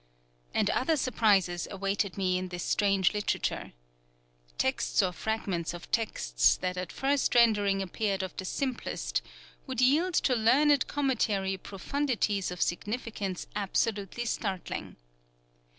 And other surprises awaited me in this strange literature. Texts or fragments of texts, that at first rendering appeared of the simplest, would yield to learned commentary profundities of significance absolutely startling.